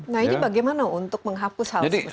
nah ini bagaimana untuk menghapus hal seperti ini